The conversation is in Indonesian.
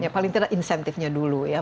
ya paling tidak insentifnya dulu ya